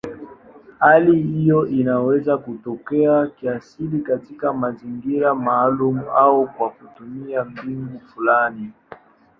Hali hiyo inaweza kutokea kiasili katika mazingira maalumu au kwa kutumia mbinu fulani.